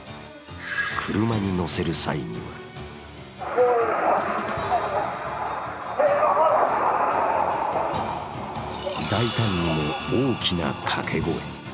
車に載せる際には大胆にも大きなかけ声。